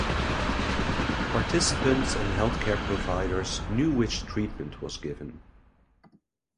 Participants and health care providers knew which treatment was given.